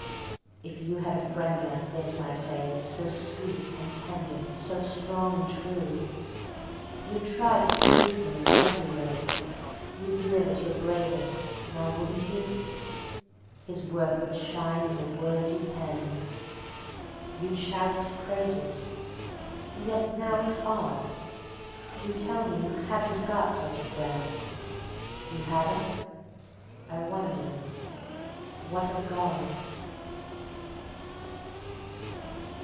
If you had a friend like this, I say, So sweet and tender, so strong and true, You'd try to please him in every way, You'd live at your bravest now, wouldn't you? His worth would shine in the words you penned; You'd shout his praises ... yet now it's odd! You tell me you haven't got such a friend; You haven't? I wonder ... _What of God?